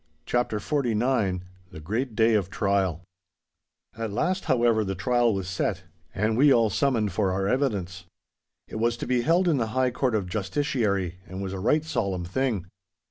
*CHAPTER XLIX* *THE GREAT DAY OF TRIAL* At last, however, the trial was set, and we all summoned for our evidence. It was to be held in the High Court of Justiciary, and was a right solemn thing.